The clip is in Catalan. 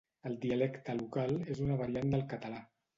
El dialecte local és una variant del català.